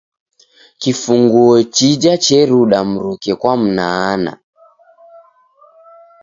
Kufunguo chia reruda mruke kwa mnaanaa.